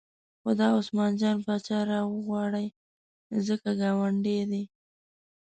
خو دا عثمان جان پاچا راوغواړئ ځکه ګاونډی دی.